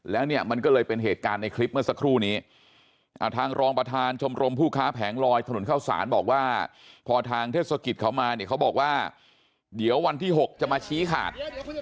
แล้วเนี่ยมันก็เลยเป็นเหตุการณ์ในคลิปเมื่อสักครู่นี้ทางรองประธานชมรมผู้ค้าแผงลอยถนนเข้าสารบอกว่าพอทางเทศกิจเขามาเนี่ยเขาบอกว่าเดี๋ยววันที่๖จะมาชี้ขาด